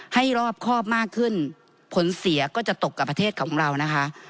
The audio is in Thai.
รอบครอบมากขึ้นผลเสียก็จะตกกับประเทศของเรานะคะ